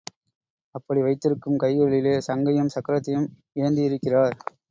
அப்படி வைத்திருக்கும் கைகளிலே சங்கையும் சக்கரத்தையும் ஏந்தியிருக்கிறார்.